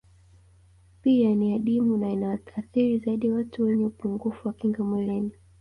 Pia ni adimu na inawaathiri zaidi watu wenye upungufu wa kinga mwili